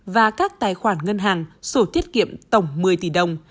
và các tài khoản ngân hàng sổ tiết kiệm tổng một mươi tỷ đồng